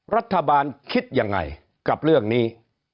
รัฐบาลคิดยังไงกับเรื่องนี้